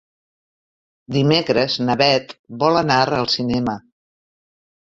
Dimecres na Beth vol anar al cinema.